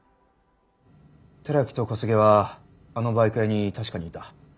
寺木と小菅はあのバイク屋に確かにいた。